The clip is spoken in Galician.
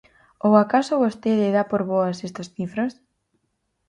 ¿Ou acaso vostede dá por boas estas cifras?